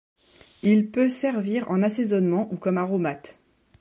Il peut servir en assaisonnement ou comme aromate.